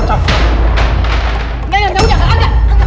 enggak enggak enggak enggak enggak enggak